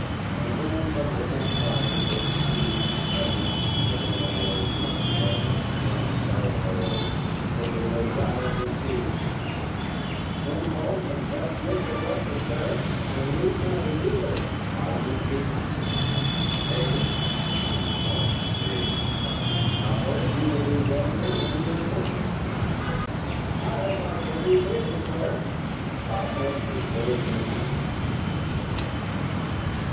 And when from the camp fires they perceived the Colonel and the drummer boy eating together in plain sight of all, they gave a rousing cheer. "Swein Poulsson helped get your breakfast, sir, and would eat nothing either," I ventured. "Davy," said Colonel Clark, gravely, "I hope you will be younger when you are twenty." "I hope I shall be bigger, sir," I answered gravely.